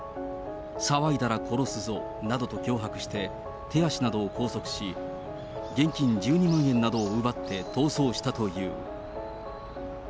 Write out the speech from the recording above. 騒いだら殺すぞなどと脅迫して、手足などを拘束し、現金１２万円などを奪って逃走したという。